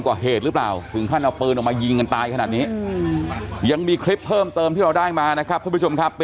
มาหาเรื่องมันก็เหมือนแบบนี้มาทางเดียวเตือนกันมึงไหนตัวใจ